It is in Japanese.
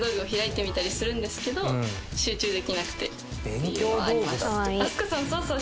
っていうのはあります。